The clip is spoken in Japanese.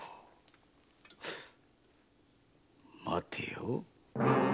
待てよ？